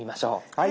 はい。